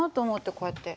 こうやって。